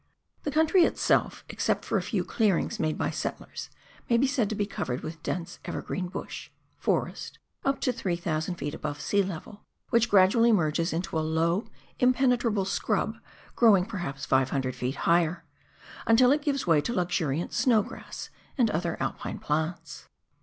The country itself, except for a few clearings made by settlers, may be said to be covered with dense ever green " bush " (forest) up to 3,000 ft. above sea level, which gradually merges into a low, impenetrable scrub, growing per haps 500 ft. higher until it gives way to luxuriant snow grass and other Alpine plants.